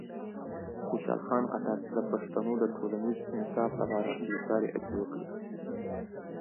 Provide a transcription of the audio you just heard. خوشحال خان خټک د پښتنو د ټولنیز انصاف لپاره بېساري هڅې وکړې.